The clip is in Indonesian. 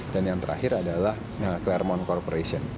dan yang terakhir adalah clermont corporation